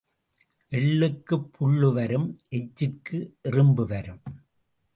எள்ளுக்குப் புள்ளு வரும் எச்சிற்கு எறும்பு வரும்.